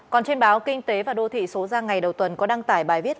còn trên báo kinh tế và đô thị số ra ngày đầu tuần có đăng tải bài viết